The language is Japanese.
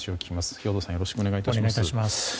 よろしくお願いします。